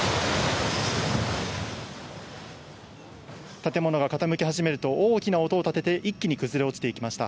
建物が傾き始めると、大きな音を立てて、一気に崩れ落ちていきました。